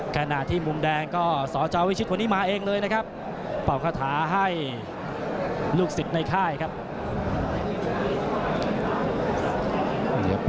ขณะที่มุมแดงก็สจวิชิตคนนี้มาเองเลยนะครับเป่าคาถาให้ลูกศิษย์ในค่ายครับ